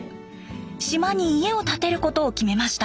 島に家を建てることを決めました。